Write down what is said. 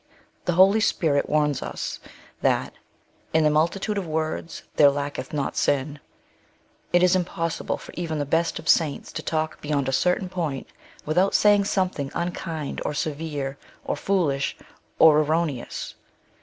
The Holy Spirit warns us that '' in the multitude of words there lacketh not sin." It is impOvSsible for even the best of saints to talk beyond a certain point without saying some thing unkind, or severe, or foolish, or erroneous.